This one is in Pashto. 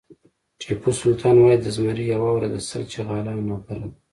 ټيپو سلطان وایي د زمري یوه ورځ د سل چغالو نه غوره ده.